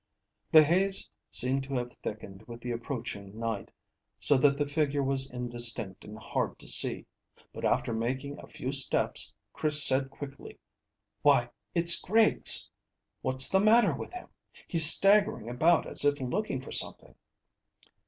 The haze seemed to have thickened with the approaching night, so that the figure was indistinct and hard to see, but after making a few steps Chris said quickly "Why, it's Griggs. What's the matter with him? He's staggering about as if looking for something."